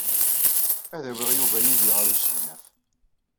Ad awiɣ Yuba yid-i ɣer usegnaf.